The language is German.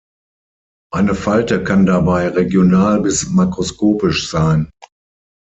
Eine Falte kann dabei regional bis makroskopisch sein.